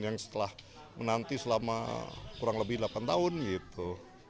yang setelah menanti selama kurang lebih delapan tahun gitu